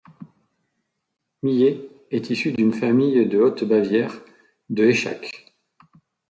Miller est issu d'une famille de haute-Bavière de Aichach.